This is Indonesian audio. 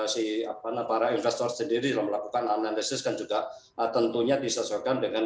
siapa nampak para investor sendiri melakukan analisis dan juga tentunya disesuaikan dengan